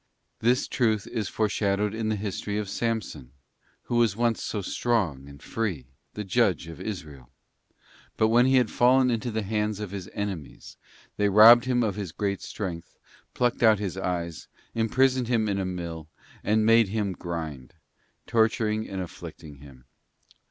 This truth is foreshadowed in the history of Samson, who was once so strong and free, the judge of Israel. But when he had fallen into the hands of his enemies, they robbed him of his great strength, plucked out his eyes, imprisoned him in a mill, and 'made him grind,' torturing and afflicting him.